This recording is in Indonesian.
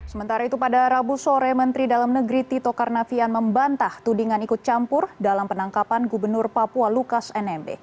sementara itu pada rabu sore menteri dalam negeri tito karnavian membantah tudingan ikut campur dalam penangkapan gubernur papua lukas nmb